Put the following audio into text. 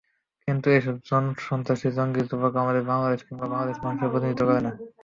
কিন্তু এসব সন্ত্রাসী-জঙ্গি যুবক আমাদের বাংলাদেশ কিংবা বাংলাদেশের মানুষের প্রতিনিধিত্ব করে না।